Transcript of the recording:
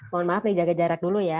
mohon maaf nih jaga jarak dulu ya